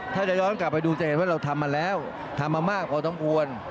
ถ้าจะย้อนกลับไปดูจะเห็นว่าเราทำมาแล้วทำมามากพอสมควร